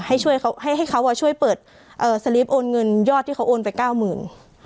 ให้ช่วยเขาให้เขาช่วยเปิดสลิปโอนเงินยอดที่เขาโอนไปเก้าหมื่น